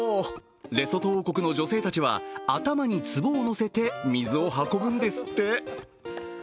レソト王国の女性たちは頭につぼをのせて水を運ぶんですって。